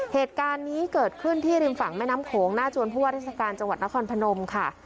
เหตุการณ์นี้เกิดขึ้นที่ริมฝั่งแม่น้ำโขงหน้าจวนผู้ว่าราชการจังหวัดนครพนมค่ะ